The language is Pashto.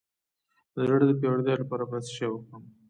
د زړه د پیاوړتیا لپاره باید څه شی وخورم؟